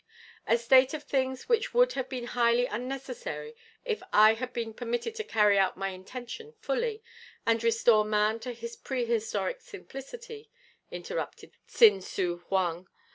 "A state of things which would have been highly unnecessary if I had been permitted to carry out my intention fully, and restore man to his prehistoric simplicity," interrupted Tsin Su Hoang.